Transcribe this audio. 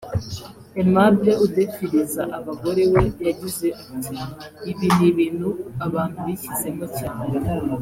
Aimable udefiriza abagore we yagize ati “Ibi ni ibintu abantu bishyizemo cyane